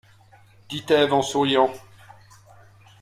dit Ève en souriant.